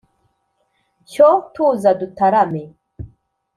cyo tuza dutarame